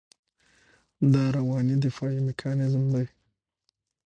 دا رواني دفاعي میکانیزم دی.